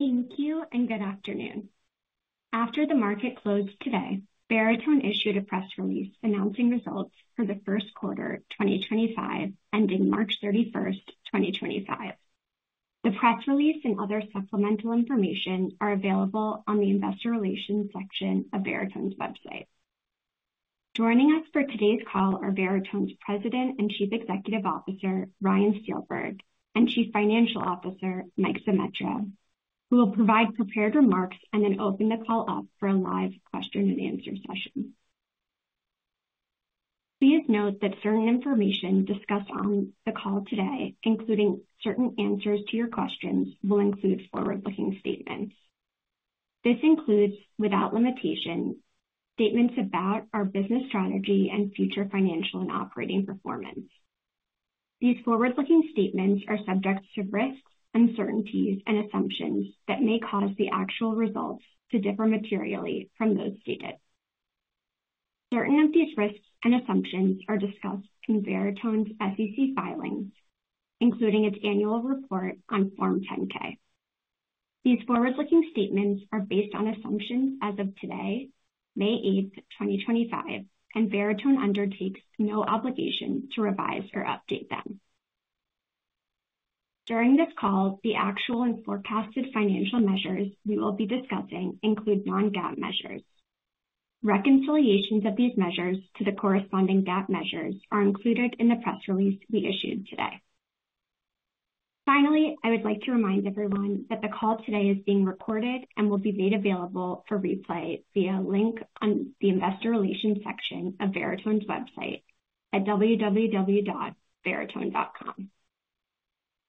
Thank you and good afternoon. After the market closed today, Veritone issued a press release announcing results for the first quarter 2025 ending March 31, 2025. The press release and other supplemental information are available on the Investor Relations section of Veritone's website. Joining us for today's call are Veritone's President and Chief Executive Officer, Ryan Steelberg, and Chief Financial Officer, Mike Zemetra, who will provide prepared remarks and then open the call up for a live question-and-answer session. Please note that certain information discussed on the call today, including certain answers to your questions, will include forward-looking statements. This includes, without limitation, statements about our business strategy and future financial and operating performance. These forward-looking statements are subject to risks, uncertainties, and assumptions that may cause the actual results to differ materially from those stated. Certain of these risks and assumptions are discussed in Veritone's SEC filings, including its annual report on Form 10-K. These forward-looking statements are based on assumptions as of today, May 8, 2025, and Veritone undertakes no obligation to revise or update them. During this call, the actual and forecasted financial measures we will be discussing include non-GAAP measures. Reconciliations of these measures to the corresponding GAAP measures are included in the press release we issued today. Finally, I would like to remind everyone that the call today is being recorded and will be made available for replay via a link on the Investor Relations section of Veritone's website at www.veritone.com.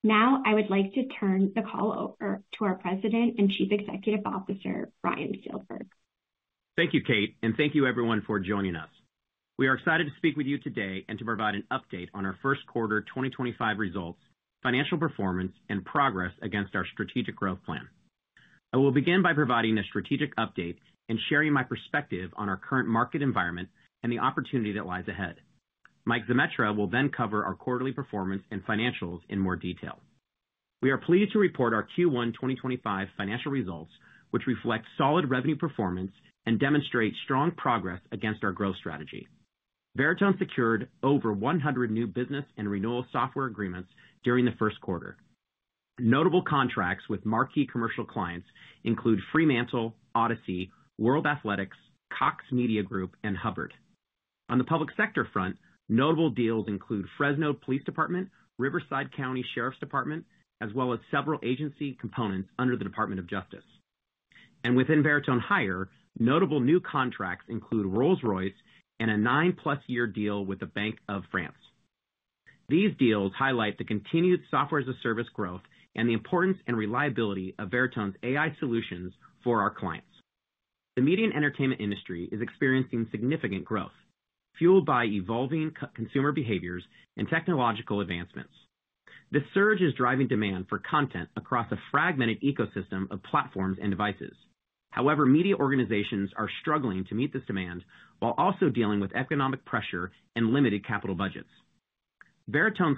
Now, I would like to turn the call over to our President and Chief Executive Officer, Ryan Steelberg. Thank you, Kate, and thank you, everyone, for joining us. We are excited to speak with you today and to provide an update on our first quarter 2025 results, financial performance, and progress against our strategic growth plan. I will begin by providing a strategic update and sharing my perspective on our current market environment and the opportunity that lies ahead. Mike Zemetra will then cover our quarterly performance and financials in more detail. We are pleased to report our Q1 2025 financial results, which reflect solid revenue performance and demonstrate strong progress against our growth strategy. Veritone secured over 100 new business and renewal software agreements during the first quarter. Notable contracts with marquee commercial clients include Fremantle, Odyssey, World Athletics, Cox Media Group, and Hubbard. On the public sector front, notable deals include Fresno Police Department, Riverside County Sheriff's Department, as well as several agency components under the Department of Justice. Within Veritone Hire, notable new contracts include Rolls-Royce and a nine-plus-year deal with the Bank of France. These deals highlight the continued software-as-a-service growth and the importance and reliability of Veritone's AI solutions for our clients. The media and entertainment industry is experiencing significant growth, fueled by evolving consumer behaviors and technological advancements. This surge is driving demand for content across a fragmented ecosystem of platforms and devices. However, media organizations are struggling to meet this demand while also dealing with economic pressure and limited capital budgets. Veritone's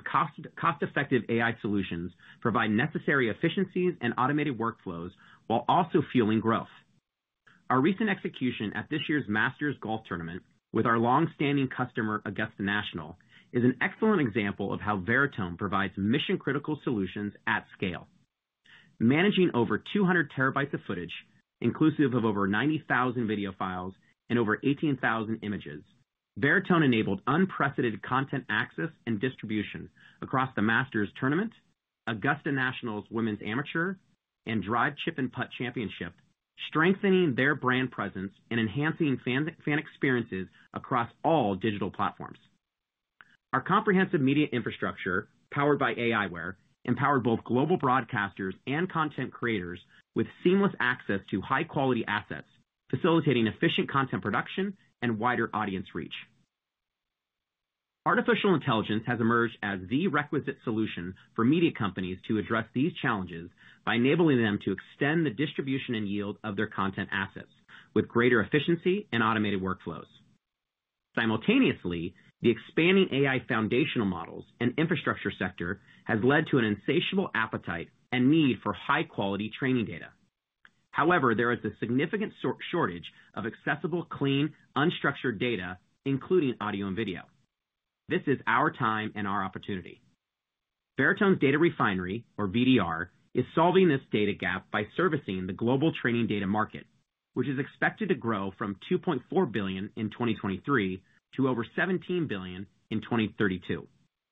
cost-effective AI solutions provide necessary efficiencies and automated workflows while also fueling growth. Our recent execution at this year's Masters Golf Tournament with our longstanding customer Augusta National is an excellent example of how Veritone provides mission-critical solutions at scale. Managing over 200 TB of footage, inclusive of over 90,000 video files and over 18,000 images, Veritone enabled unprecedented content access and distribution across the Masters Tournament, Augusta National's Women's Amateur, and Drive, Chip and Putt Championship, strengthening their brand presence and enhancing fan experiences across all digital platforms. Our comprehensive media infrastructure powered by aiWARE empowered both global broadcasters and content creators with seamless access to high-quality assets, facilitating efficient content production and wider audience reach. Artificial intelligence has emerged as the requisite solution for media companies to address these challenges by enabling them to extend the distribution and yield of their content assets with greater efficiency and automated workflows. Simultaneously, the expanding AI foundational models and infrastructure sector has led to an insatiable appetite and need for high-quality training data. However, there is a significant shortage of accessible, clean, unstructured data, including audio and video. This is our time and our opportunity. Veritone's Data Refinery, or VDR, is solving this data gap by servicing the global training data market, which is expected to grow from $2.4 billion in 2023 to over $17 billion in 2032.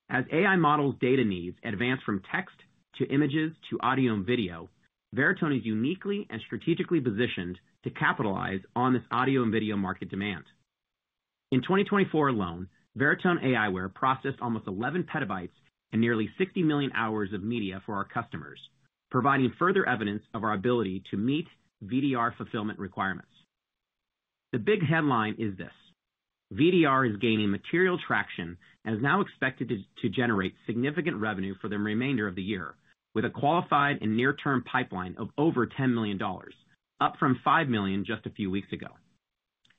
As AI models' data needs advance from text to images to audio and video, Veritone is uniquely and strategically positioned to capitalize on this audio and video market demand. In 2024 alone, Veritone aiWARE processed almost 11 PB and nearly 60 million hours of media for our customers, providing further evidence of our ability to meet VDR fulfillment requirements. The big headline is this: VDR is gaining material traction and is now expected to generate significant revenue for the remainder of the year, with a qualified and near-term pipeline of over $10 million, up from $5 million just a few weeks ago.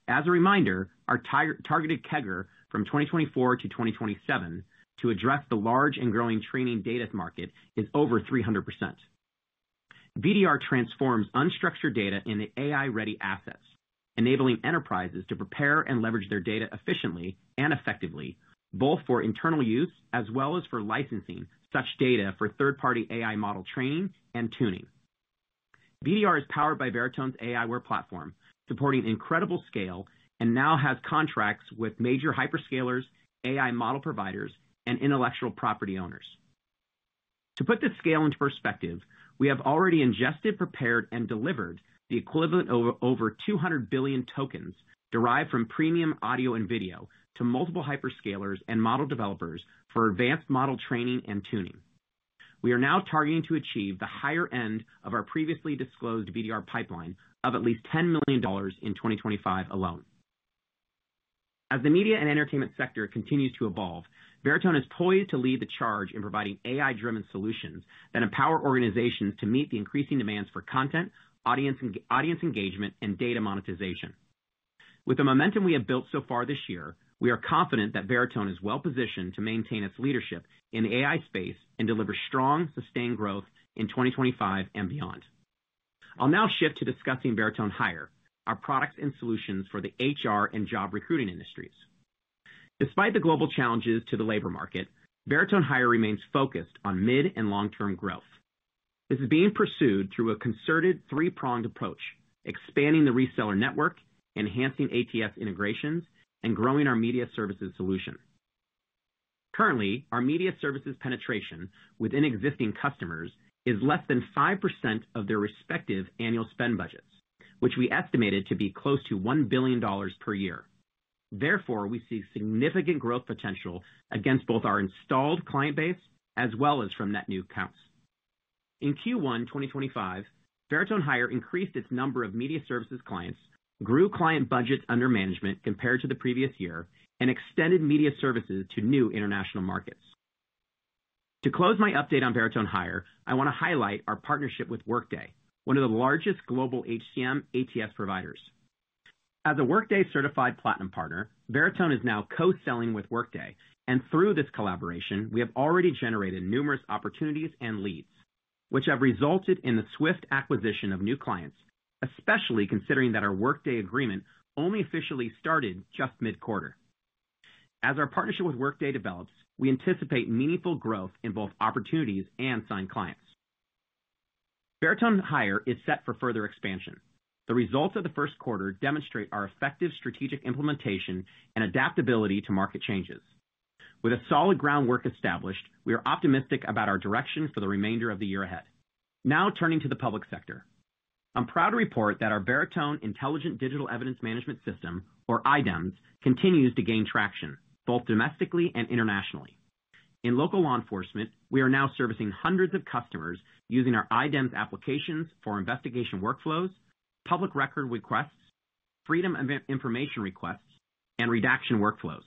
As a reminder, our targeted CAGR from 2024 to 2027 to address the large and growing training data market is over 300%. VDR transforms unstructured data into AI-ready assets, enabling enterprises to prepare and leverage their data efficiently and effectively, both for internal use as well as for licensing such data for third-party AI model training and tuning. VDR is powered by Veritone's aiWARE platform, supporting incredible scale, and now has contracts with major hyperscalers, AI model providers, and intellectual property owners. To put this scale into perspective, we have already ingested, prepared, and delivered the equivalent of over 200 billion tokens derived from premium audio and video to multiple hyperscalers and model developers for advanced model training and tuning. We are now targeting to achieve the higher end of our previously disclosed VDR pipeline of at least $10 million in 2025 alone. As the media and entertainment sector continues to evolve, Veritone is poised to lead the charge in providing AI-driven solutions that empower organizations to meet the increasing demands for content, audience engagement, and data monetization. With the momentum we have built so far this year, we are confident that Veritone is well-positioned to maintain its leadership in the AI space and deliver strong, sustained growth in 2025 and beyond. I'll now shift to discussing Veritone Hire, our products and solutions for the HR and job recruiting industries. Despite the global challenges to the labor market, Veritone Hire remains focused on mid and long-term growth. This is being pursued through a concerted, three-pronged approach, expanding the reseller network, enhancing ATS integrations, and growing our media services solution. Currently, our media services penetration within existing customers is less than 5% of their respective annual spend budgets, which we estimated to be close to $1 billion per year. Therefore, we see significant growth potential against both our installed client base as well as from net new accounts. In Q1 2025, Veritone Hire increased its number of media services clients, grew client budgets under management compared to the previous year, and extended media services to new international markets. To close my update on Veritone Hire, I want to highlight our partnership with Workday, one of the largest global HCM ATS providers. As a Workday Certified Platinum Partner, Veritone is now co-selling with Workday, and through this collaboration, we have already generated numerous opportunities and leads, which have resulted in the swift acquisition of new clients, especially considering that our Workday agreement only officially started just mid-quarter. As our partnership with Workday develops, we anticipate meaningful growth in both opportunities and signed clients. Veritone Hire is set for further expansion. The results of the first quarter demonstrate our effective strategic implementation and adaptability to market changes. With a solid groundwork established, we are optimistic about our direction for the remainder of the year ahead. Now, turning to the public sector, I'm proud to report that our Veritone Intelligent Digital Evidence Management System, or iDEMS, continues to gain traction both domestically and internationally. In local law enforcement, we are now servicing hundreds of customers using our iDEMS applications for investigation workflows, public record requests, freedom of information requests, and redaction workflows.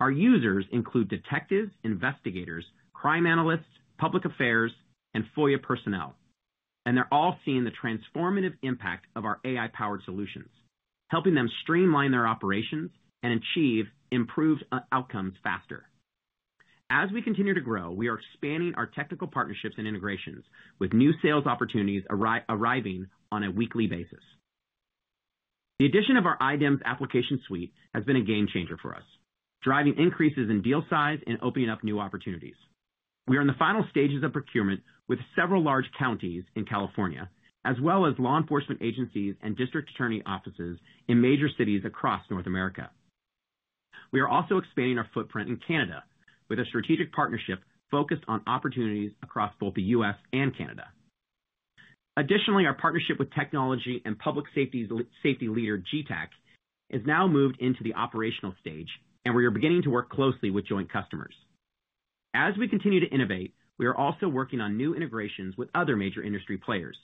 Our users include detectives, investigators, crime analysts, public affairs, and FOIA personnel, and they're all seeing the transformative impact of our AI-powered solutions, helping them streamline their operations and achieve improved outcomes faster. As we continue to grow, we are expanding our technical partnerships and integrations, with new sales opportunities arriving on a weekly basis. The addition of our iDEMS application suite has been a game changer for us, driving increases in deal size and opening up new opportunities. We are in the final stages of procurement with several large counties in California, as well as law enforcement agencies and district attorney offices in major cities across North America. We are also expanding our footprint in Canada with a strategic partnership focused on opportunities across both the U.S. and Canada. Additionally, our partnership with technology and public safety leader Getac is now moved into the operational stage, and we are beginning to work closely with joint customers. As we continue to innovate, we are also working on new integrations with other major industry players,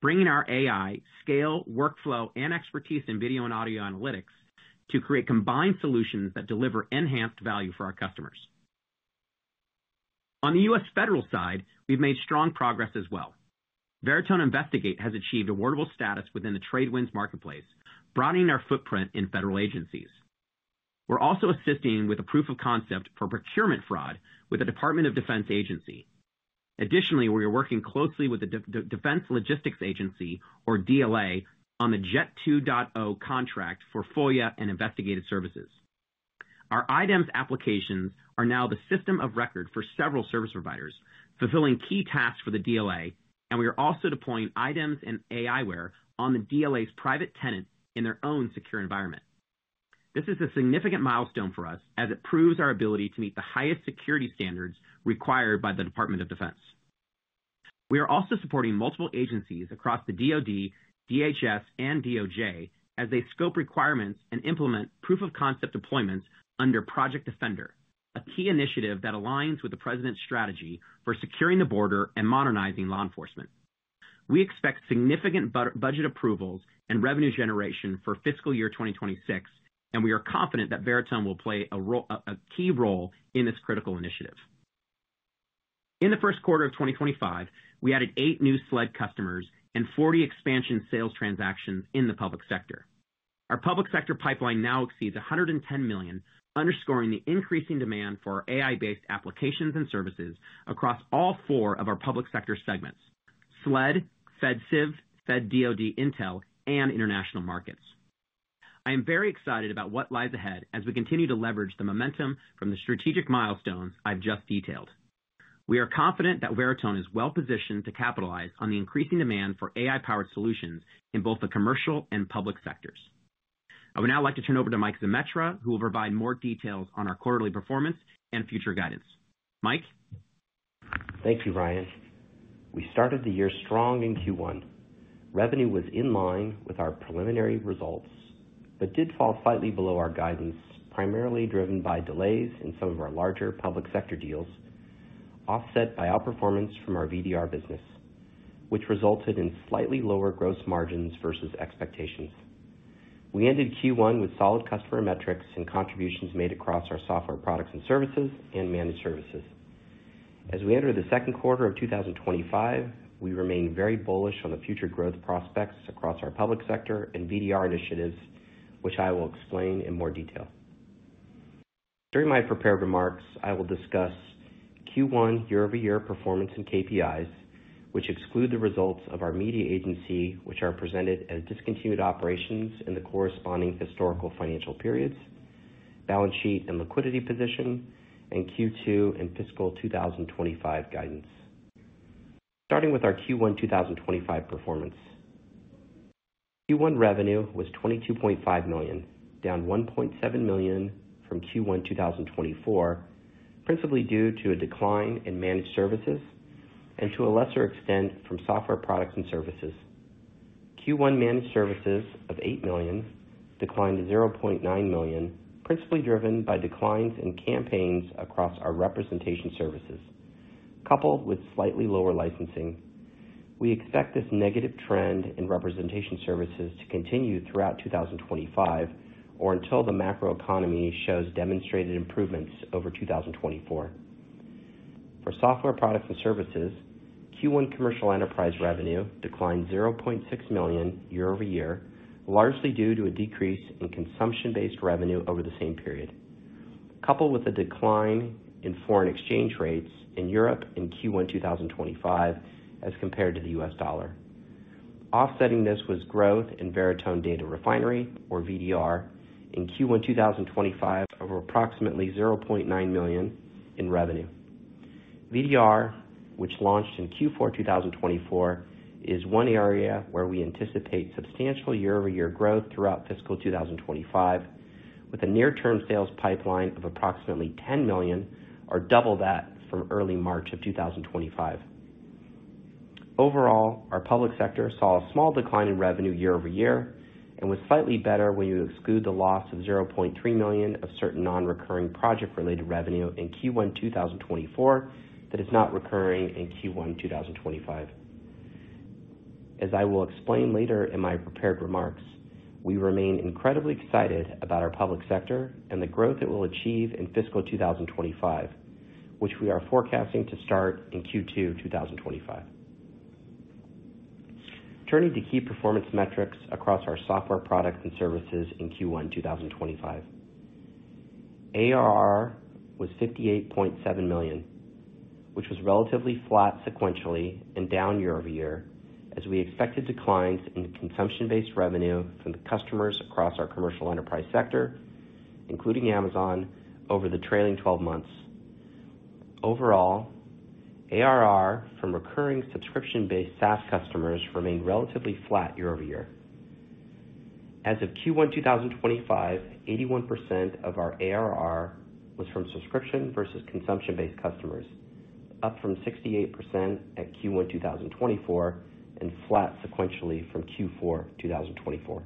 bringing our AI scale, workflow, and expertise in video and audio analytics to create combined solutions that deliver enhanced value for our customers. On the U.S. federal side, we've made strong progress as well. Veritone Investigate has achieved awardable status within the Tradewinds marketplace, broadening our footprint in federal agencies. We're also assisting with a proof of concept for procurement fraud with the Department of Defense Agency. Additionally, we are working closely with the Defense Logistics Agency, or DLA, on the Jet2.0 contract for FOIA and investigative services. Our iDEMS applications are now the system of record for several service providers, fulfilling key tasks for the DLA, and we are also deploying iDEMS and aiWARE on the DLA's private tenant in their own secure environment. This is a significant milestone for us as it proves our ability to meet the highest security standards required by the Department of Defense. We are also supporting multiple agencies across the DoD, DHS, and DOJ as they scope requirements and implement proof of concept deployments under Project Defender, a key initiative that aligns with the President's strategy for securing the border and modernizing law enforcement. We expect significant budget approvals and revenue generation for fiscal year 2026, and we are confident that Veritone will play a key role in this critical initiative. In the first quarter of 2025, we added eight new SLED customers and 40 expansion sales transactions in the public sector. Our public sector pipeline now exceeds $110 million, underscoring the increasing demand for AI-based applications and services across all four of our public sector segments: SLED, FedSIV, FedDoD Intel, and international markets. I am very excited about what lies ahead as we continue to leverage the momentum from the strategic milestones I have just detailed. We are confident that Veritone is well-positioned to capitalize on the increasing demand for AI-powered solutions in both the commercial and public sectors. I would now like to turn over to Mike Zemetra, who will provide more details on our quarterly performance and future guidance. Mike. Thank you, Ryan. We started the year strong in Q1. Revenue was in line with our preliminary results but did fall slightly below our guidance, primarily driven by delays in some of our larger public sector deals, offset by outperformance from our VDR business, which resulted in slightly lower gross margins versus expectations. We ended Q1 with solid customer metrics and contributions made across our software products and services and managed services. As we enter the second quarter of 2025, we remain very bullish on the future growth prospects across our public sector and VDR initiatives, which I will explain in more detail. During my prepared remarks, I will discuss Q1 year-over-year performance and KPIs, which exclude the results of our media agency, which are presented as discontinued operations in the corresponding historical financial periods, balance sheet and liquidity position, and Q2 and fiscal 2025 guidance. Starting with our Q1 2025 performance. Q1 revenue was $22.5 million, down $1.7 million from Q1 2024, principally due to a decline in managed services and to a lesser extent from software products and services. Q1 managed services of $8 million declined to $0.9 million, principally driven by declines in campaigns across our representation services, coupled with slightly lower licensing. We expect this negative trend in representation services to continue throughout 2025 or until the macroeconomy shows demonstrated improvements over 2024. For software products and services, Q1 commercial enterprise revenue declined $0.6 million year-over-year, largely due to a decrease in consumption-based revenue over the same period, coupled with a decline in foreign exchange rates in Europe in Q1 2025 as compared to the U.S. dollar. Offsetting this was growth in Veritone Data Refinery, or VDR, in Q1 2025 over approximately $0.9 million in revenue. VDR, which launched in Q4 2024, is one area where we anticipate substantial year-over-year growth throughout fiscal 2025, with a near-term sales pipeline of approximately $10 million or double that from early March of 2025. Overall, our public sector saw a small decline in revenue year-over-year and was slightly better when you exclude the loss of $0.3 million of certain non-recurring project-related revenue in Q1 2024 that is not recurring in Q1 2025. As I will explain later in my prepared remarks, we remain incredibly excited about our public sector and the growth it will achieve in fiscal 2025, which we are forecasting to start in Q2 2025. Turning to key performance metrics across our software products and services in Q1 2025, ARR was $58.7 million, which was relatively flat sequentially and down year-over-year as we expected declines in consumption-based revenue from the customers across our commercial enterprise sector, including Amazon, over the trailing 12 months. Overall, ARR from recurring subscription-based SaaS customers remained relatively flat year-over-year. As of Q1 2025, 81% of our ARR was from subscription versus consumption-based customers, up from 68% at Q1 2024 and flat sequentially from Q4 2024.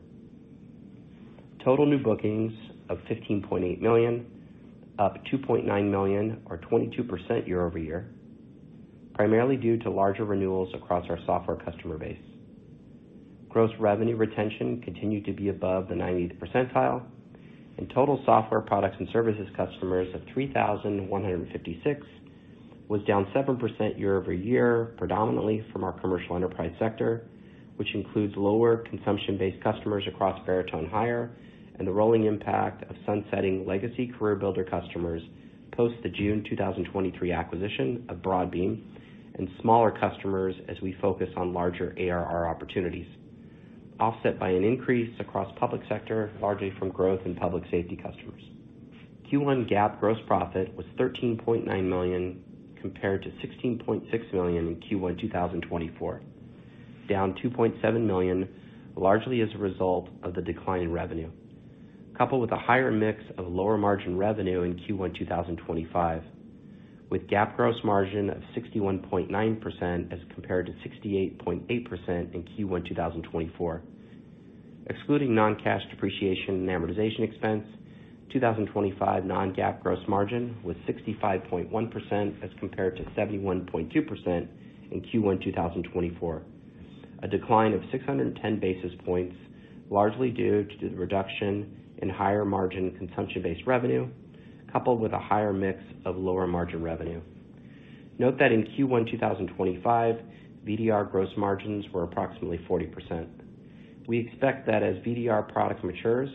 Total new bookings of $15.8 million, up $2.9 million or 22% year-over-year, primarily due to larger renewals across our software customer base. Gross revenue retention continued to be above the 90th percentile, and total software products and services customers of 3,156 was down 7% year-over-year, predominantly from our commercial enterprise sector, which includes lower consumption-based customers across Veritone Hire and the rolling impact of sunsetting legacy Career Builder customers post the June 2023 acquisition of Broadbean and smaller customers as we focus on larger ARR opportunities, offset by an increase across public sector, largely from growth in public safety customers. Q1 GAAP gross profit was $13.9 million compared to $16.6 million in Q1 2024, down $2.7 million, largely as a result of the decline in revenue, coupled with a higher mix of lower margin revenue in Q1 2025, with GAAP gross margin of 61.9% as compared to 68.8% in Q1 2024. Excluding non-cash depreciation and amortization expense, 2025 non-GAAP gross margin was 65.1% as compared to 71.2% in Q1 2024, a decline of 610 basis points, largely due to the reduction in higher margin consumption-based revenue, coupled with a higher mix of lower margin revenue. Note that in Q1 2025, VDR gross margins were approximately 40%. We expect that as VDR product matures,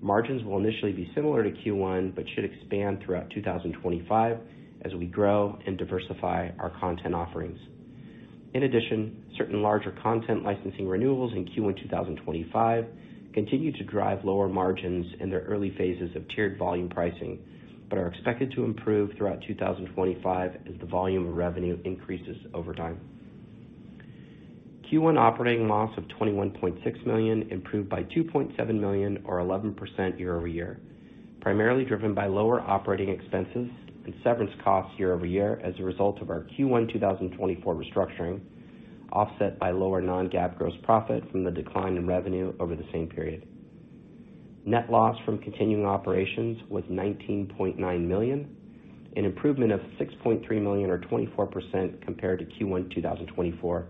margins will initially be similar to Q1 but should expand throughout 2025 as we grow and diversify our content offerings. In addition, certain larger content licensing renewals in Q1 2025 continue to drive lower margins in their early phases of tiered volume pricing but are expected to improve throughout 2025 as the volume of revenue increases over time. Q1 operating loss of $21.6 million improved by $2.7 million or 11% year-over-year, primarily driven by lower operating expenses and severance costs year-over-year as a result of our Q1 2024 restructuring, offset by lower non-GAAP gross profit from the decline in revenue over the same period. Net loss from continuing operations was $19.9 million, an improvement of $6.3 million or 24% compared to Q1 2024.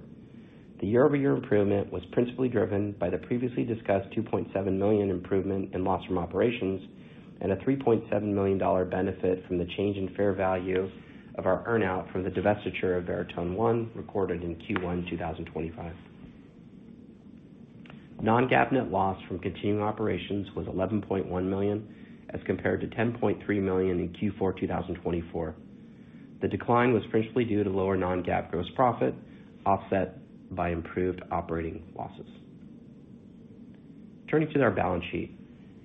The year-over-year improvement was principally driven by the previously discussed $2.7 million improvement in loss from operations and a $3.7 million benefit from the change in fair value of our earnout from the divestiture of Veritone One recorded in Q1 2025. Non-GAAP net loss from continuing operations was $11.1 million as compared to $10.3 million in Q4 2024. The decline was principally due to lower non-GAAP gross profit, offset by improved operating losses. Turning to our balance sheet,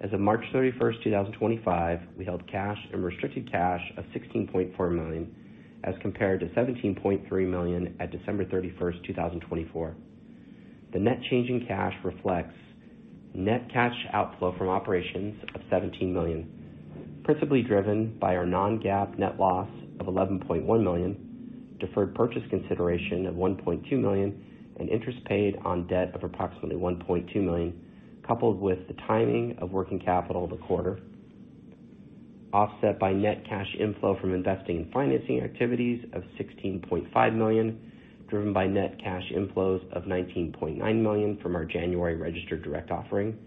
as of March 31, 2025, we held cash and restricted cash of $16.4 million as compared to $17.3 million at December 31, 2024. The net change in cash reflects net cash outflow from operations of $17 million, principally driven by our non-GAAP net loss of $11.1 million, deferred purchase consideration of $1.2 million, and interest paid on debt of approximately $1.2 million, coupled with the timing of working capital of the quarter, offset by net cash inflow from investing in financing activities of $16.5 million, driven by net cash inflows of $19.9 million from our January registered direct offering,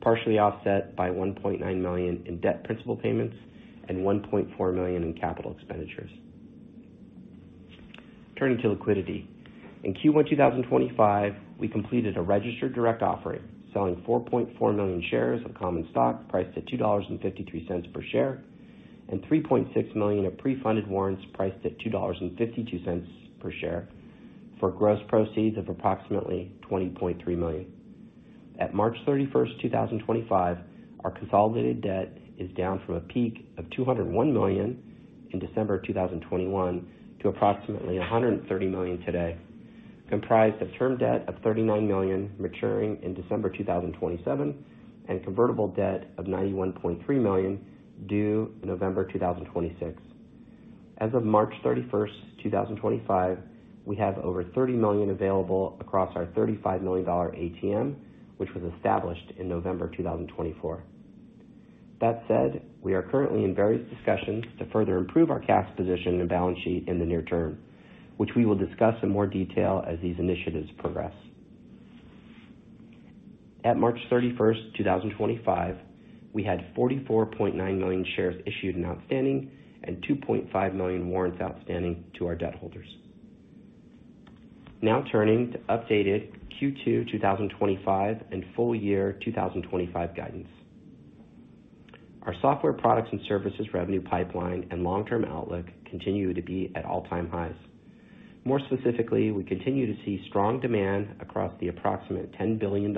partially offset by $1.9 million in debt principal payments and $1.4 million in capital expenditures. Turning to liquidity, in Q1 2025, we completed a registered direct offering, selling 4.4 million shares of common stock priced at $2.53 per share and 3.6 million of pre-funded warrants priced at $2.52 per share for gross proceeds of approximately $20.3 million. At March 31, 2025, our consolidated debt is down from a peak of $201 million in December 2021 to approximately $130 million today, comprised of term debt of $39 million maturing in December 2027 and convertible debt of $91.3 million due November 2026. As of March 31, 2025, we have over $30 million available across our $35 million ATM, which was established in November 2024. That said, we are currently in various discussions to further improve our cash position and balance sheet in the near term, which we will discuss in more detail as these initiatives progress. At March 31, 2025, we had 44.9 million shares issued and outstanding and 2.5 million warrants outstanding to our debt holders. Now turning to updated Q2 2025 and full year 2025 guidance. Our software products and services revenue pipeline and long-term outlook continue to be at all-time highs. More specifically, we continue to see strong demand across the approximate $10 billion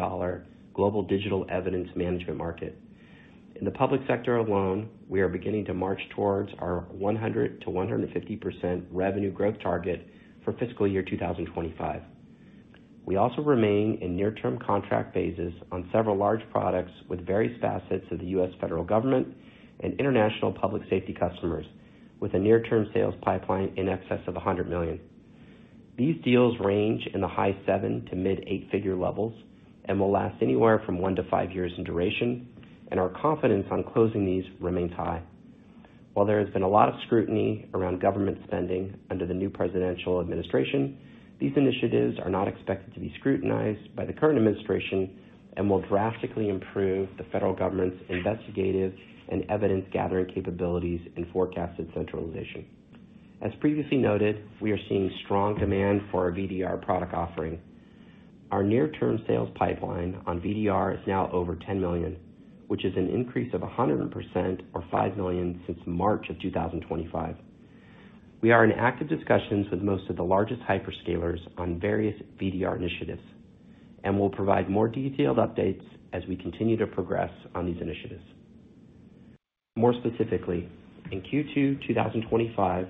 global digital evidence management market. In the public sector alone, we are beginning to march towards our 100%-150% revenue growth target for fiscal year 2025. We also remain in near-term contract phases on several large products with various facets of the U.S. federal government and international public safety customers, with a near-term sales pipeline in excess of $100 million. These deals range in the high seven- to mid-eight-figure levels and will last anywhere from one to five years in duration, and our confidence on closing these remains high. While there has been a lot of scrutiny around government spending under the new presidential administration, these initiatives are not expected to be scrutinized by the current administration and will drastically improve the federal government's investigative and evidence-gathering capabilities and forecasted centralization. As previously noted, we are seeing strong demand for our VDR product offering. Our near-term sales pipeline on VDR is now over $10 million, which is an increase of 100% or $5 million since March of 2025. We are in active discussions with most of the largest hyperscalers on various VDR initiatives and will provide more detailed updates as we continue to progress on these initiatives. More specifically, in Q2 2025,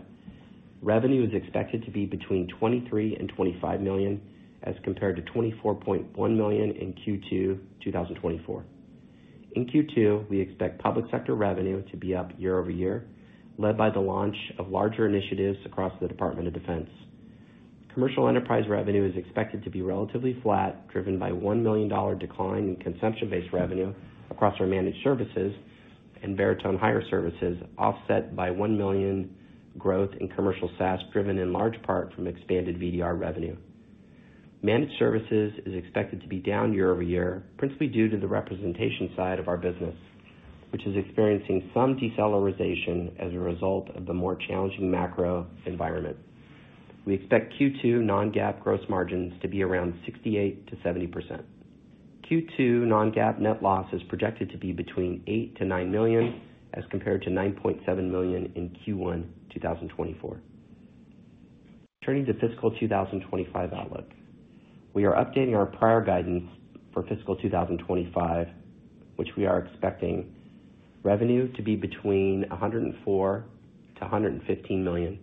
revenue is expected to be between $23 million and $25 million as compared to $24.1 million in Q2 2024. In Q2, we expect public sector revenue to be up year-over-year, led by the launch of larger initiatives across the Department of Defense. Commercial enterprise revenue is expected to be relatively flat, driven by a $1 million decline in consumption-based revenue across our managed services and Veritone Hire services, offset by a $1 million growth in commercial SaaS, driven in large part from expanded VDR revenue. Managed services is expected to be down year-over-year, principally due to the representation side of our business, which is experiencing some deceleration as a result of the more challenging macro environment. We expect Q2 non-GAAP gross margins to be around 68%-70%. Q2 non-GAAP net loss is projected to be between $8 million-$9 million as compared to $9.7 million in Q1 2024. Turning to fiscal 2025 outlook, we are updating our prior guidance for fiscal 2025, which we are expecting revenue to be between $104 million-$115 million,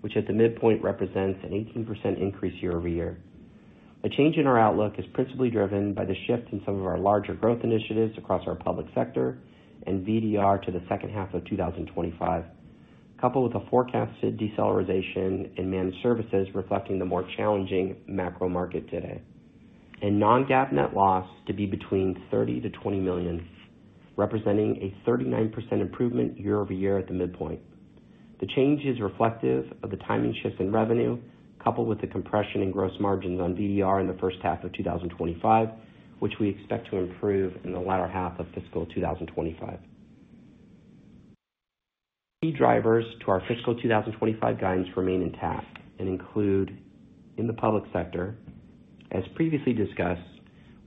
which at the midpoint represents an 18% increase year-over-year. The change in our outlook is principally driven by the shift in some of our larger growth initiatives across our public sector and VDR to the second half of 2025, coupled with a forecasted deceleration in managed services reflecting the more challenging macro market today, and non-GAAP net loss to be between $30 million-$20 million, representing a 39% improvement year-over-year at the midpoint. The change is reflective of the timing shifts in revenue, coupled with the compression in gross margins on VDR in the first half of 2025, which we expect to improve in the latter half of fiscal 2025. Key drivers to our fiscal 2025 guidance remain intact and include in the public sector. As previously discussed,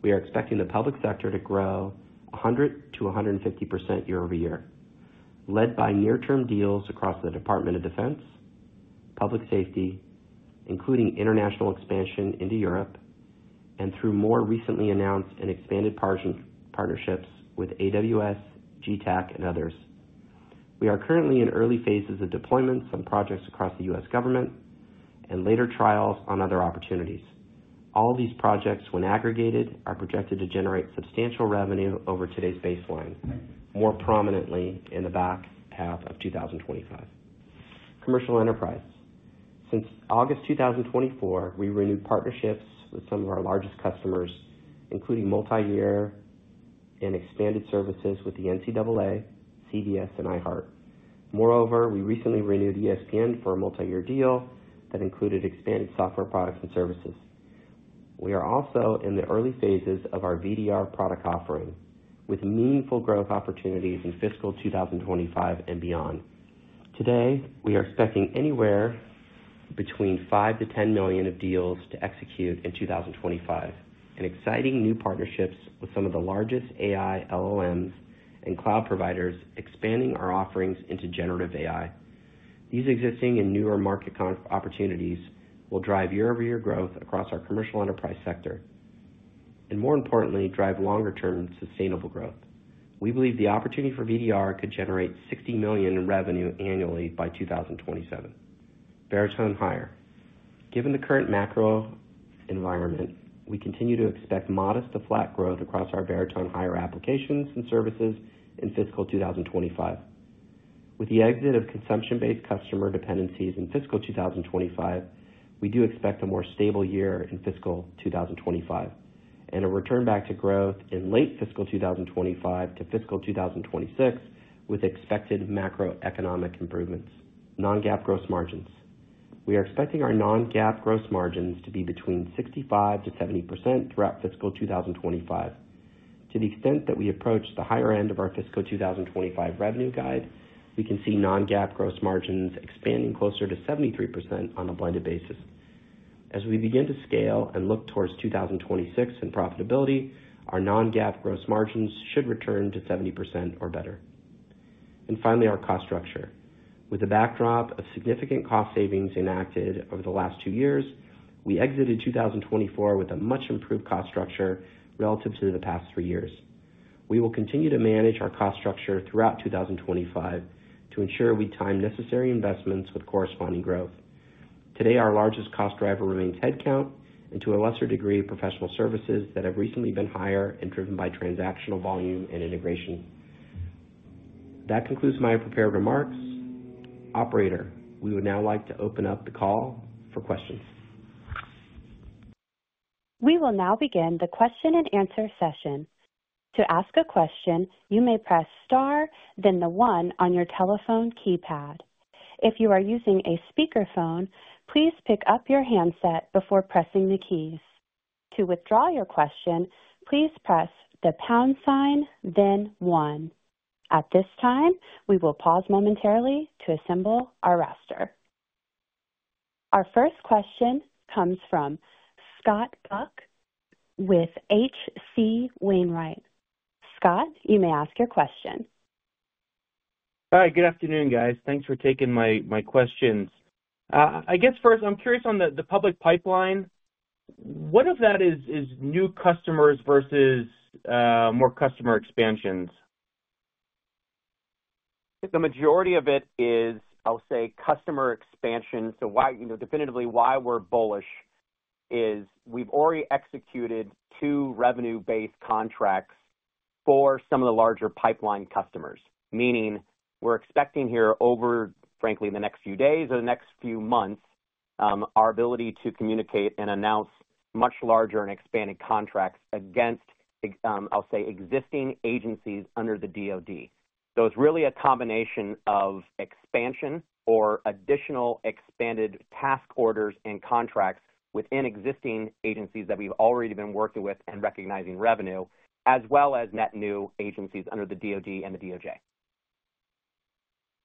we are expecting the public sector to grow 100%-150% year-over-year, led by near-term deals across the Department of Defense, public safety, including international expansion into Europe, and through more recently announced and expanded partnerships with AWS, Getac, and others. We are currently in early phases of deployments on projects across the U.S. government and later trials on other opportunities. All of these projects, when aggregated, are projected to generate substantial revenue over today's baseline, more prominently in the back half of 2025. Commercial enterprise. Since August 2024, we renewed partnerships with some of our largest customers, including multi-year and expanded services with the NCAA, CVS, and iHeart. Moreover, we recently renewed ESPN for a multi-year deal that included expanded software products and services. We are also in the early phases of our VDR product offering, with meaningful growth opportunities in fiscal 2025 and beyond. Today, we are expecting anywhere between 5-10 million deals to execute in 2025, and exciting new partnerships with some of the largest AI LLMs and cloud providers expanding our offerings into generative AI. These existing and newer market opportunities will drive year-over-year growth across our commercial enterprise sector and, more importantly, drive longer-term sustainable growth. We believe the opportunity for VDR could generate $60 million in revenue annually by 2027. Veritone Hire. Given the current macro environment, we continue to expect modest to flat growth across our Veritone Hire applications and services in fiscal 2025. With the exit of consumption-based customer dependencies in fiscal 2025, we do expect a more stable year in fiscal 2025 and a return back to growth in late fiscal 2025 to fiscal 2026 with expected macroeconomic improvements. Non-GAAP gross margins. We are expecting our non-GAAP gross margins to be between 65%-70% throughout fiscal 2025. To the extent that we approach the higher end of our fiscal 2025 revenue guide, we can see non-GAAP gross margins expanding closer to 73% on a blended basis. As we begin to scale and look towards 2026 in profitability, our non-GAAP gross margins should return to 70% or better. Finally, our cost structure. With the backdrop of significant cost savings enacted over the last two years, we exited 2024 with a much improved cost structure relative to the past three years. We will continue to manage our cost structure throughout 2025 to ensure we time necessary investments with corresponding growth. Today, our largest cost driver remains headcount and, to a lesser degree, professional services that have recently been higher and driven by transactional volume and integration. That concludes my prepared remarks. Operator, we would now like to open up the call for questions. We will now begin the question-and-answer session. To ask a question, you may press star, then the one on your telephone keypad. If you are using a speakerphone, please pick up your handset before pressing the keys. To withdraw your question, please press the pound sign, then one. At this time, we will pause momentarily to assemble our roster. Our first question comes from Scott Buck with H.C. Wainwright. Scott, you may ask your question. Hi. Good afternoon, guys. Thanks for taking my questions. I guess first, I'm curious on the public pipeline. What of that is new customers versus more customer expansions? The majority of it is, I'll say, customer expansion. Definitely why we're bullish is we've already executed two revenue-based contracts for some of the larger pipeline customers, meaning we're expecting here, frankly, in the next few days or the next few months, our ability to communicate and announce much larger and expanded contracts against, I'll say, existing agencies under the DoD. It is really a combination of expansion or additional expanded task orders and contracts within existing agencies that we've already been working with and recognizing revenue, as well as net new agencies under the DoD and the DOJ.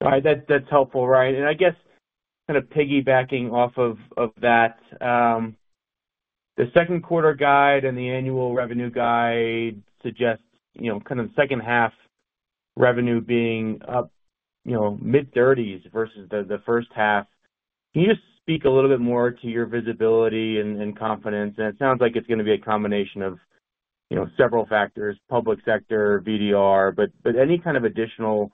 All right. That's helpful, right. I guess kind of piggybacking off of that, the second quarter guide and the annual revenue guide suggests kind of the second half revenue being mid-30s versus the first half. Can you just speak a little bit more to your visibility and confidence? It sounds like it's going to be a combination of several factors: public sector, VDR, but any kind of additional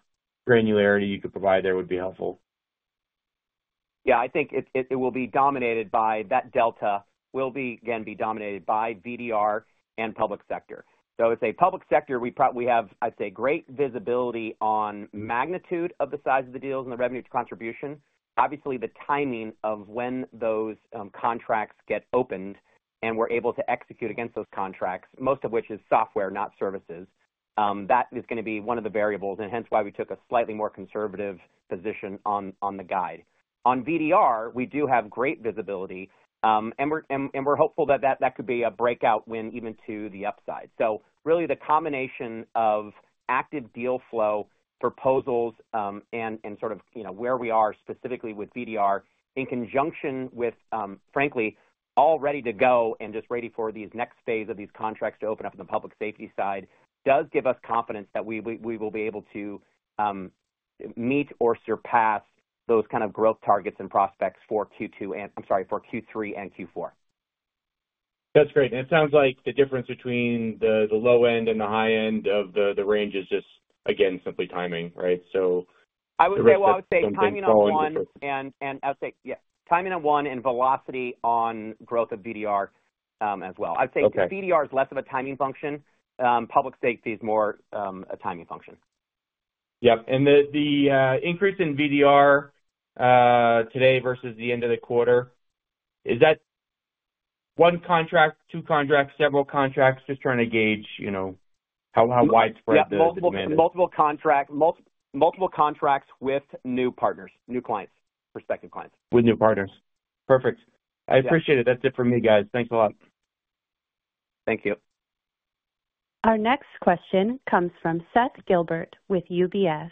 granularity you could provide there would be helpful. Yeah. I think it will be dominated by that delta will, again, be dominated by VDR and public sector. I would say public sector, we have, I'd say, great visibility on magnitude of the size of the deals and the revenue contribution. Obviously, the timing of when those contracts get opened and we're able to execute against those contracts, most of which is software, not services, that is going to be one of the variables, and hence why we took a slightly more conservative position on the guide. On VDR, we do have great visibility, and we're hopeful that that could be a breakout win even to the upside. Really, the combination of active deal flow proposals and sort of where we are specifically with VDR in conjunction with, frankly, all ready to go and just ready for these next phase of these contracts to open up on the public safety side does give us confidence that we will be able to meet or surpass those kind of growth targets and prospects for Q2 and—I'm sorry—for Q3 and Q4. That's great. It sounds like the difference between the low end and the high end of the range is just, again, simply timing, right? I would say timing on one and—I'll say, yeah, timing on one and velocity on growth of VDR as well. I'd say VDR is less of a timing function. Public safety is more a timing function. Yep. The increase in VDR today versus the end of the quarter, is that one contract, two contracts, several contracts? Just trying to gauge how widespread the management is. Yeah. Multiple contracts with new partners, new clients, prospective clients. With new partners. Perfect. I appreciate it. That's it for me, guys. Thanks a lot. Thank you. Our next question comes from Seth Gilbert with UBS.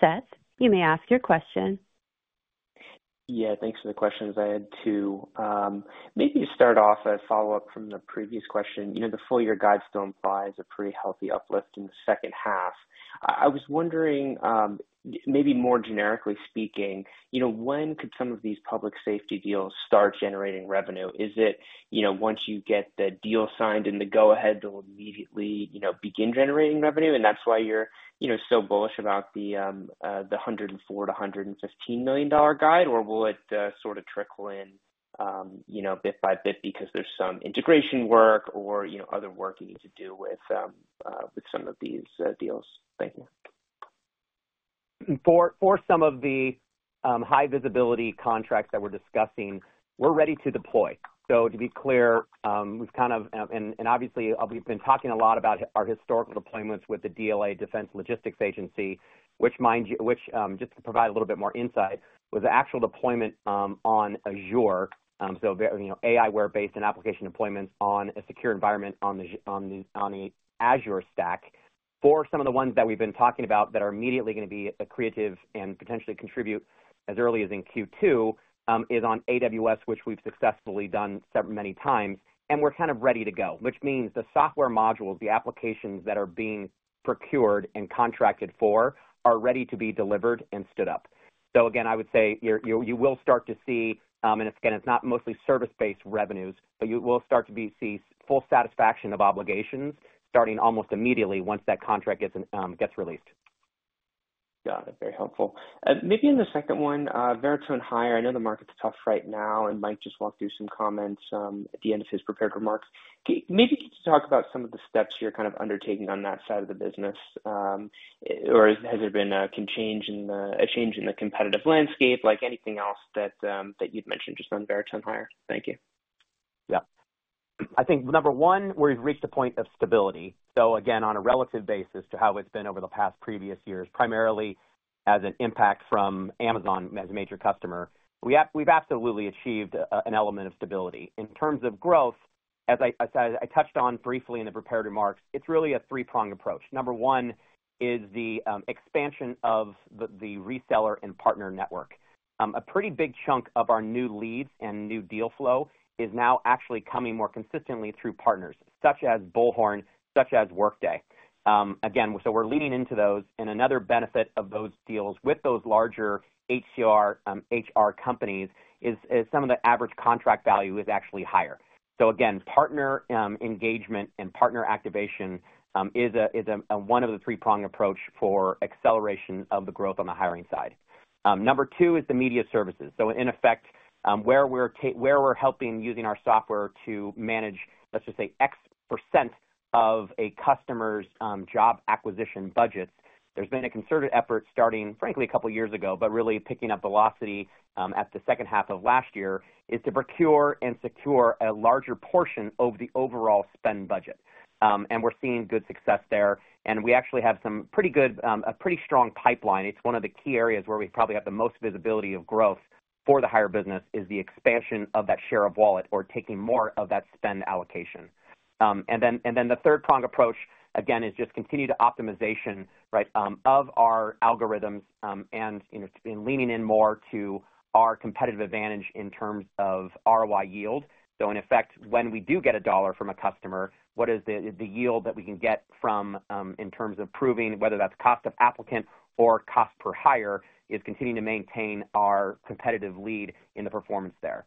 Seth, you may ask your question. Yeah. Thanks for the questions. I had two. Maybe to start off, a follow-up from the previous question. The full-year guide still implies a pretty healthy uplift in the second half. I was wondering, maybe more generically speaking, when could some of these public safety deals start generating revenue? Is it once you get the deal signed and the go-ahead to immediately begin generating revenue, and that's why you're so bullish about the $104 million-$115 million guide, or will it sort of trickle in bit by bit because there's some integration work or other work you need to do with some of these deals? Thank you. For some of the high-visibility contracts that we're discussing, we're ready to deploy. To be clear, we've kind of—and obviously, we've been talking a lot about our historical deployments with the DLA, Defense Logistics Agency, which, mind you, just to provide a little bit more insight, was the actual deployment on Azure. So aiWARE-based and application deployments on a secure environment on the Azure stack. For some of the ones that we've been talking about that are immediately going to be creative and potentially contribute as early as in Q2 is on AWS, which we've successfully done many times, and we're kind of ready to go, which means the software modules, the applications that are being procured and contracted for are ready to be delivered and stood up. Again, I would say you will start to see—and again, it's not mostly service-based revenues—but you will start to see full satisfaction of obligations starting almost immediately once that contract gets released. Got it. Very helpful. Maybe in the second one, Veritone Hire. I know the market's tough right now, and Mike just walked through some comments at the end of his prepared remarks. Maybe to talk about some of the steps you're kind of undertaking on that side of the business, or has there been a change in the competitive landscape, like anything else that you'd mentioned just on Veritone Hire? Thank you. Yeah. I think number one, we've reached a point of stability. Again, on a relative basis to how it's been over the past previous years, primarily as an impact from Amazon as a major customer, we've absolutely achieved an element of stability. In terms of growth, as I touched on briefly in the prepared remarks, it's really a three-pronged approach. Number one is the expansion of the reseller and partner network. A pretty big chunk of our new leads and new deal flow is now actually coming more consistently through partners such as Bullhorn, such as Workday. Again, we're leaning into those. Another benefit of those deals with those larger HR companies is some of the average contract value is actually higher. Again, partner engagement and partner activation is one of the three-pronged approaches for acceleration of the growth on the hiring side. Number two is the media services. In effect, where we're helping using our software to manage, let's just say, X% of a customer's job acquisition budgets, there's been a concerted effort starting, frankly, a couple of years ago, but really picking up velocity at the second half of last year to procure and secure a larger portion of the overall spend budget. We're seeing good success there. We actually have some pretty good, a pretty strong pipeline. It is one of the key areas where we probably have the most visibility of growth for the Hire business, the expansion of that share of wallet or taking more of that spend allocation. The third-pronged approach, again, is just continued optimization, right, of our algorithms and leaning in more to our competitive advantage in terms of ROI yield. In effect, when we do get a dollar from a customer, what is the yield that we can get from it in terms of proving whether that is cost of applicant or cost per hire, is continuing to maintain our competitive lead in the performance there.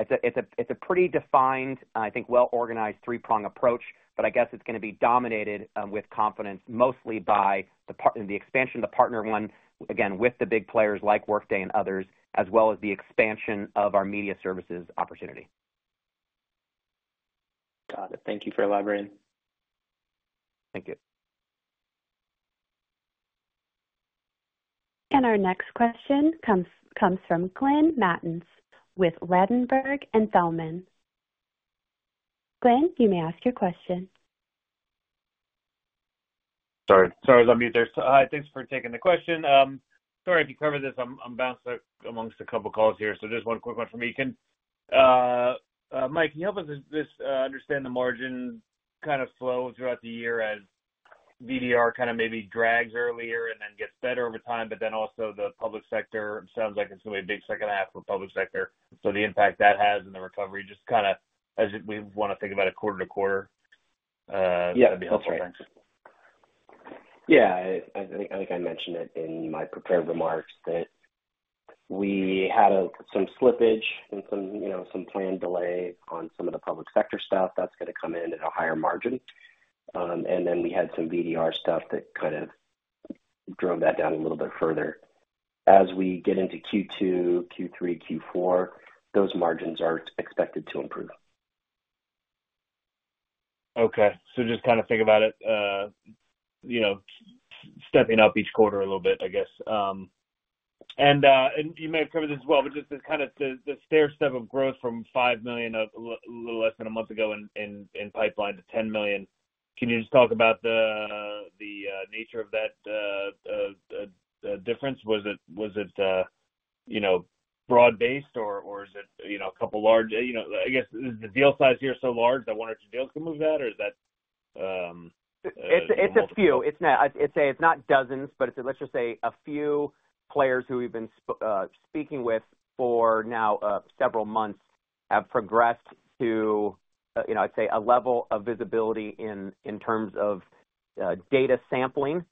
It's a pretty defined, I think, well-organized three-pronged approach. I guess it's going to be dominated with confidence mostly by the expansion of the partner one, again, with the big players like Workday and others, as well as the expansion of our media services opportunity. Got it. Thank you for elaborating. Thank you. Our next question comes from Glenn Mattson with Ladenburg Thalmann. Glen, you may ask your questions Sorry. I was on mute there. Thanks for taking the question. Sorry if you covered this. I'm bounced amongst a couple of calls here. Just one quick one for me. Mike, can you help us understand the margin kind of flow throughout the year as VDR kind of maybe drags earlier and then gets better over time, but then also the public sector sounds like it is going to be a big second half for public sector. The impact that has and the recovery just kind of as we want to think about it quarter to quarter. Yeah. That would be helpful. Thanks. Yeah. I think I mentioned it in my prepared remarks that we had some slippage and some planned delay on some of the public sector stuff that is going to come in at a higher margin. Then we had some VDR stuff that kind of drove that down a little bit further. As we get into Q2, Q3, Q4, those margins are expected to improve. Okay. Just kind of think about it stepping up each quarter a little bit, I guess. You may have covered this as well, but just kind of the stair step of growth from $5 million a little less than a month ago in pipeline to $10 million. Can you just talk about the nature of that difference? Was it broad-based, or is it a couple of large? I guess, is the deal size here so large that one or two deals can move that, or is that? It's a few. I'd say it's not dozens, but let's just say a few players who we've been speaking with for now several months have progressed to, I'd say, a level of visibility in terms of data sampling,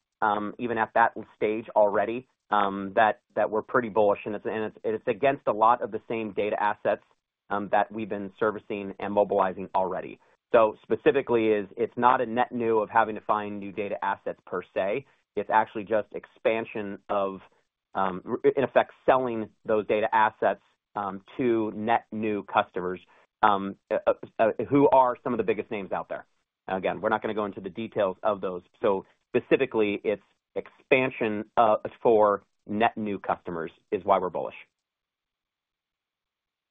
even at that stage already, that we're pretty bullish. It is against a lot of the same data assets that we have been servicing and mobilizing already. Specifically, it is not a net new of having to find new data assets per se. It is actually just expansion of, in effect, selling those data assets to net new customers who are some of the biggest names out there. Again, we are not going to go into the details of those. Specifically, it is expansion for net new customers, which is why we are bullish.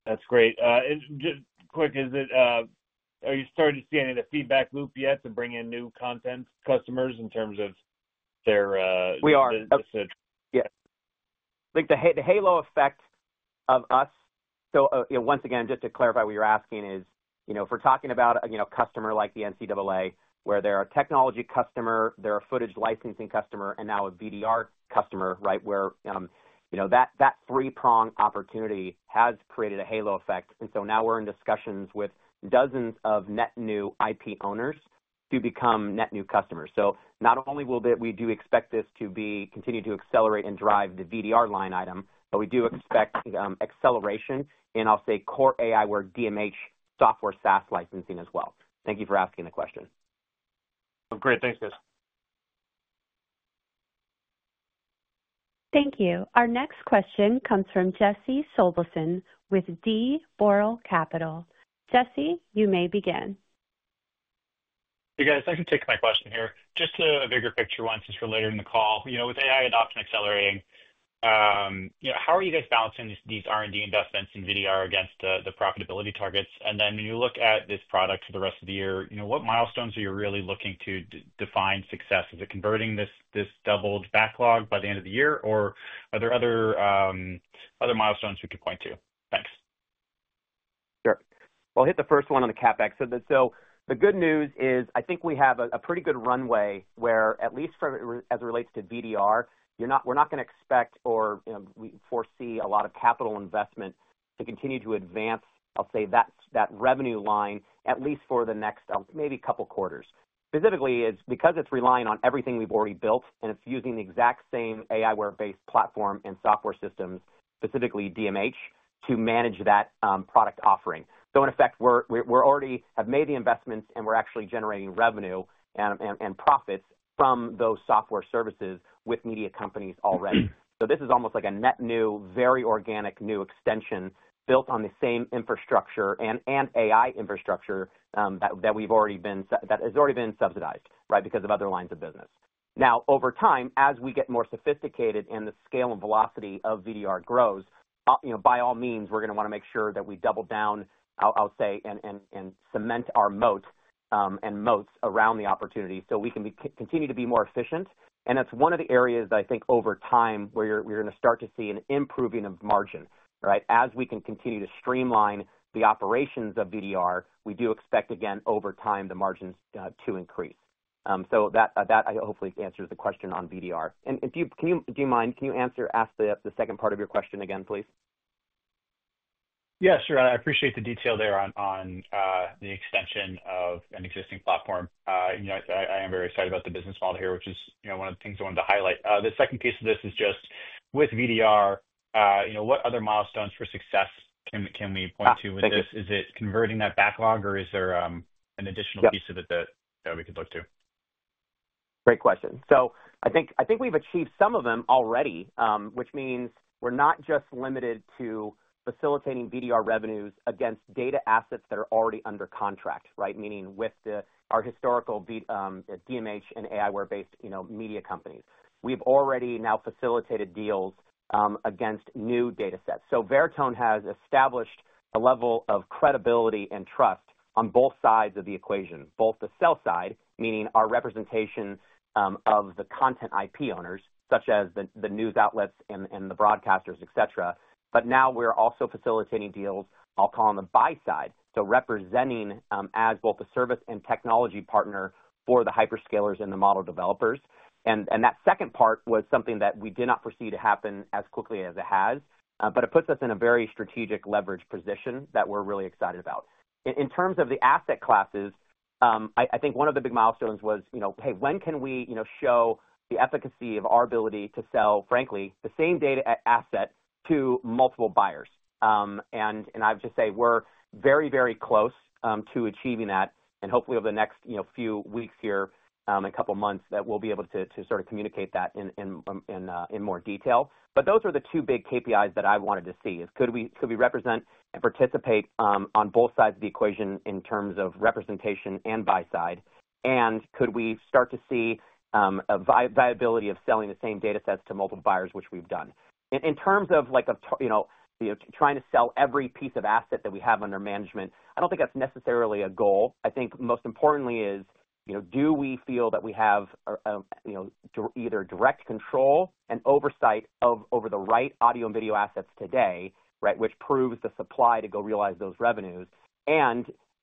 That is great. Just quick, are you starting to see any of the feedback loop yet to bring in new content customers in terms of their— We are. Yes. I think the halo effect of us. Once again, just to clarify what you're asking is, if we're talking about a customer like the NCAA, where they're a technology customer, they're a footage licensing customer, and now a VDR customer, right, where that three-pronged opportunity has created a halo effect. Now we're in discussions with dozens of net new IP owners to become net new customers. Not only do we expect this to continue to accelerate and drive the VDR line item, but we do expect acceleration in, I'll say, core aiWARE DMH software SaaS licensing as well. Thank you for asking the question. Great. Thanks, guys. Thank you. Our next question comes from Jesse Sobelson with D. Boral Capital. Jesse, you may begin. Hey, guys. I can take my question here. Just a bigger picture one since we're later in the call. With AI adoption accelerating, how are you guys balancing these R&D investments in VDR against the profitability targets? And then when you look at this product for the rest of the year, what milestones are you really looking to define success? Is it converting this doubled backlog by the end of the year, or are there other milestones we could point to? Thanks. Sure. I'll hit the first one on the CapEx. The good news is I think we have a pretty good runway where, at least as it relates to VDR, we're not going to expect or foresee a lot of capital investment to continue to advance, I'll say, that revenue line at least for the next maybe couple of quarters. Specifically, it's because it's relying on everything we've already built, and it's using the exact same aiWARE-based platform and software systems, specifically DMH, to manage that product offering. In effect, we already have made the investments, and we're actually generating revenue and profits from those software services with media companies already. This is almost like a net new, very organic new extension built on the same infrastructure and AI infrastructure that we've already been, that has already been subsidized, right, because of other lines of business. Now, over time, as we get more sophisticated and the scale and velocity of VDR grows, by all means, we're going to want to make sure that we double down, I'll say, and cement our moat and moats around the opportunity so we can continue to be more efficient. That is one of the areas that I think over time where you are going to start to see an improving of margin, right? As we can continue to streamline the operations of VDR, we do expect, again, over time, the margins to increase. That hopefully answers the question on VDR. Do you mind, can you answer or ask the second part of your question again, please? Yeah, sure. I appreciate the detail there on the extension of an existing platform. I am very excited about the business model here, which is one of the things I wanted to highlight. The second piece of this is just with VDR, what other milestones for success can we point to with this? Is it converting that backlog, or is there an additional piece of it that we could look to? Great question. I think we've achieved some of them already, which means we're not just limited to facilitating VDR revenues against data assets that are already under contract, right, meaning with our historical DMH and aiWARE-based media companies. We've already now facilitated deals against new data sets. Veritone has established a level of credibility and trust on both sides of the equation, both the sell side, meaning our representation of the content IP owners, such as the news outlets and the broadcasters, etc. Now we're also facilitating deals, I'll call them the buy side, so representing as both a service and technology partner for the hyperscalers and the model developers. That second part was something that we did not foresee to happen as quickly as it has, but it puts us in a very strategic leverage position that we're really excited about. In terms of the asset classes, I think one of the big milestones was, hey, when can we show the efficacy of our ability to sell, frankly, the same data asset to multiple buyers? I would just say we're very, very close to achieving that. Hopefully, over the next few weeks here and couple of months, we'll be able to sort of communicate that in more detail. Those are the two big KPIs that I wanted to see: could we represent and participate on both sides of the equation in terms of representation and buy side, and could we start to see a viability of selling the same data sets to multiple buyers, which we've done? In terms of trying to sell every piece of asset that we have under management, I don't think that's necessarily a goal. I think most importantly is, do we feel that we have either direct control and oversight over the right audio and video assets today, right, which proves the supply to go realize those revenues?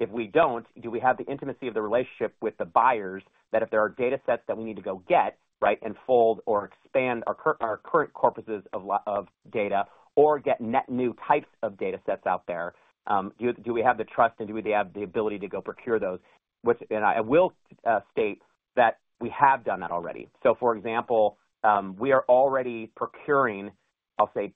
If we do not, do we have the intimacy of the relationship with the buyers that if there are data sets that we need to go get, right, and fold or expand our current corpuses of data or get net new types of data sets out there, do we have the trust, and do we have the ability to go procure those? I will state that we have done that already. For example, we are already procuring, I'll say,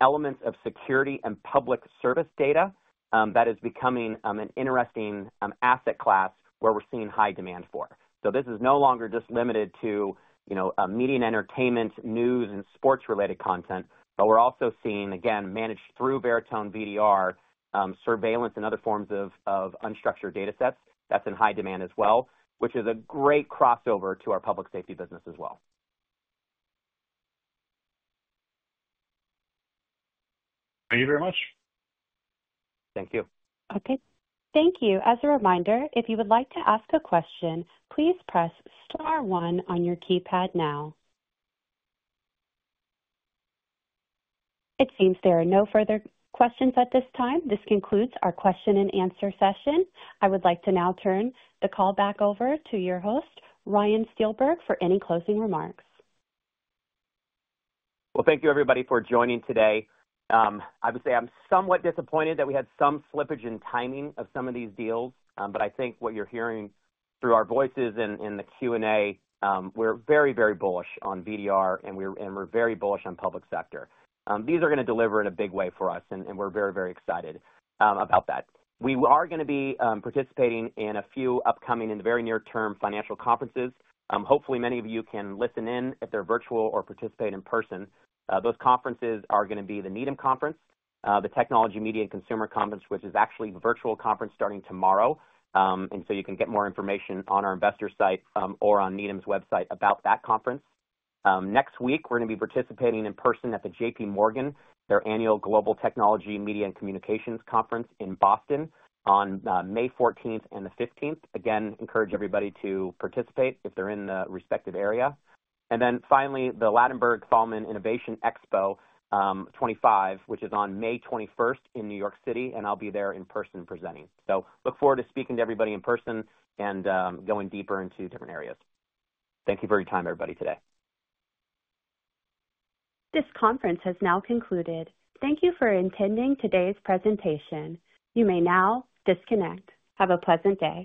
elements of security and public service data that is becoming an interesting asset class where we are seeing high demand for. This is no longer just limited to media and entertainment, news, and sports-related content, but we're also seeing, again, managed through Veritone VDR, surveillance, and other forms of unstructured data sets that's in high demand as well, which is a great crossover to our public safety business as well. Thank you very much. Thank you. Okay. Thank you. As a reminder, if you would like to ask a question, please press star one on your keypad now. It seems there are no further questions at this time. This concludes our question and answer session. I would like to now turn the call back over to your host, Ryan Steelberg, for any closing remarks. Thank you, everybody, for joining today. I would say I'm somewhat disappointed that we had some slippage in timing of some of these deals, but I think what you're hearing through our voices in the Q&A, we're very, very bullish on VDR, and we're very bullish on public sector. These are going to deliver in a big way for us, and we're very, very excited about that. We are going to be participating in a few upcoming in the very near term financial conferences. Hopefully, many of you can listen in if they're virtual or participate in person. Those conferences are going to be the Needham Conference, the Technology Media and Consumer Conference, which is actually a virtual conference starting tomorrow. You can get more information on our investor site or on Needham's website about that conference. Next week, we're going to be participating in person at the JPMorgan, their annual Global Technology Media and Communications Conference in Boston on May 14th and the 15th. Again, encourage everybody to participate if they're in the respective area. Finally, the Ladenburg Thalmann Innovation Expo 25, which is on May 21st in New York City, and I'll be there in person presenting. Look forward to speaking to everybody in person and going deeper into different areas. Thank you for your time, everybody, today. This conference has now concluded. Thank you for attending today's presentation. You may now disconnect. Have a pleasant day.